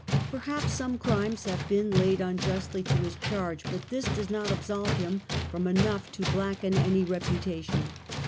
Perhaps some crimes have been laid unjustly to his charge, but this does not absolve him from enough to blacken any reputation.